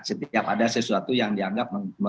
setiap ada sesuatu yang dianggap